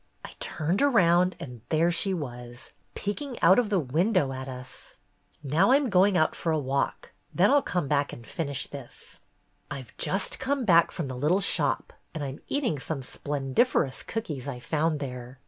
I turned around, and there she was, peeking out of the window at us ! A GAY LUNCHEON 133 "Now I'm going out for a walk, then I'll come back and finish this. "I 've just come back from the little shop and I 'm eating some splendiferous cookies I found there.